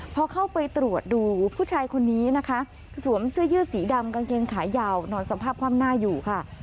พอเข้าไปตรวจดูผู้ชายคนนี้นะคะสวมเสื้อยืดสีดำกางเกงขายาวนอนสภาพคว่ำหน้าอยู่ค่ะ